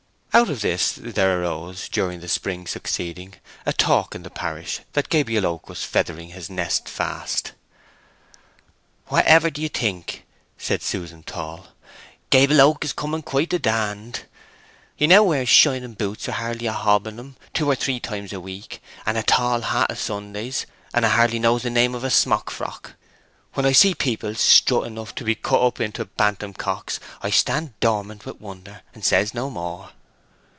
Out of this there arose, during the spring succeeding, a talk in the parish that Gabriel Oak was feathering his nest fast. "Whatever d'ye think," said Susan Tall, "Gable Oak is coming it quite the dand. He now wears shining boots with hardly a hob in 'em, two or three times a week, and a tall hat a Sundays, and 'a hardly knows the name of smockfrock. When I see people strut enough to be cut up into bantam cocks, I stand dormant with wonder, and says no more!"